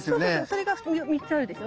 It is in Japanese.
それが３つあるでしょ。